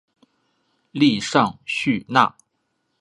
利尚叙纳。